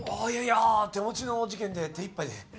いやいやいや手持ちの事件で手いっぱいで。